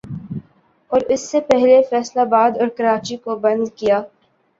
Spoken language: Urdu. اور اس سے پہلے فیصل آباد اور کراچی کو بند کیا